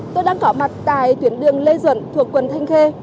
tôi đang có mặt tại tuyển đường lê duẩn thuộc quần thanh khê